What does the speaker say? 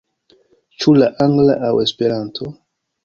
Ĉu la angla aŭ Esperanto?